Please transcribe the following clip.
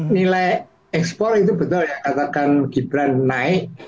nilai ekspor itu betul ya katakan gibran naik